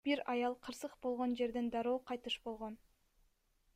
Бир аял кырсык болгон жерден дароо кайтыш болгон.